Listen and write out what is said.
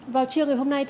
vào chiều ngày hôm nay